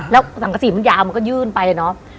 แล้วสังกษีมันยาวมันก็ยื่นไปเนาะ